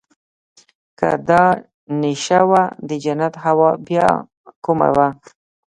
که دا نېشه وه د جنت هوا بيا کومه وه.